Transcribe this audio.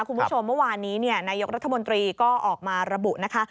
คุณผู้ชมเมื่อวานนี้นายกรัฐมนตรีก็ออกมาระบุนะคะ